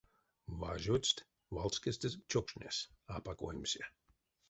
Важодсть валскестэ чокшнес, апак оймсе.